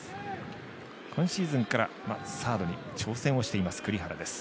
今シーズンからサードに挑戦をしています栗原です。